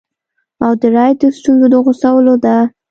او درایت د ستونزو د غوڅولو ده